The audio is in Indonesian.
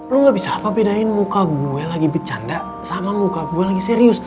lu gak bisa apa bedain muka gue lagi bercanda sama muka gue lagi serius